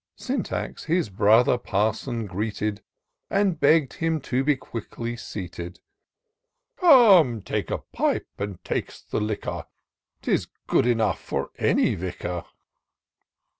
Syntax his brother Parson greeted. And begg d him to be quickly seated ; TOUR OF DOCTOR SYNTAX " Come, take a pipe, and taste the liquor, 'Tis good enough for any vicar."